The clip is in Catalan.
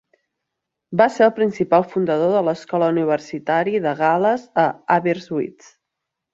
Va ser el principal fundador de l'escola universitari de Gal·les a Aberystwyth.